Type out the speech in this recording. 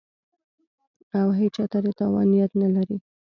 او هېچا ته د تاوان نیت نه لري